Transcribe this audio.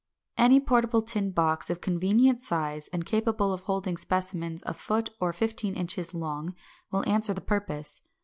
Any portable tin box of convenient size, and capable of holding specimens a foot or fifteen inches long, will answer the purpose.